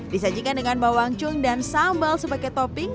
disajikan dengan bawang chung dan sambal sebagai topping